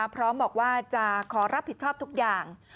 พร้อมบอกว่าจะขอรับผิดชอบทุกอย่าง